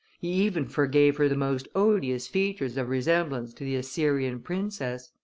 He even forgave her the most odious features of resemblance to the Assyrian princess.